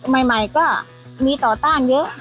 ใหม่ก็มีต่อต้านเยอะ